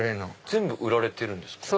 全部売られてるんですか？